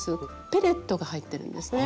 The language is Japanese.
ペレットが入ってるんですね。